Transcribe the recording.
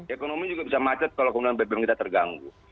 ekonomi juga bisa macet kalau kemudian bbm kita terganggu